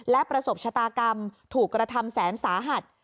และประสบชะตากรรมถูกกระทำแสนสาหัส